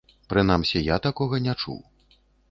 Прынамсі я такога не чуў.